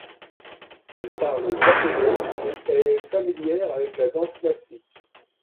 Elle parle japonais et est familière avec la danse classique.